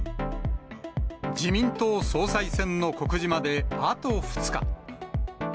自民党総裁選の告示まであと２日。